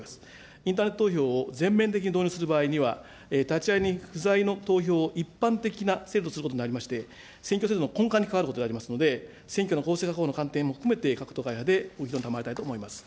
インターネット投票を全面的に導入する場合には、立会人不在の投票を一般的な制度とすることとなりまして、選挙制度の根幹に関わることでありますので、選挙の構成の観点も含めて、各会派でご議論を賜りたいと思います。